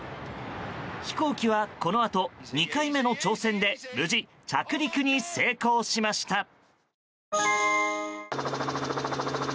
飛行機はこのあと２回目の挑戦で無事着陸に成功しました。